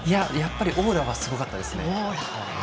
やっぱりオーラがすごかったですね。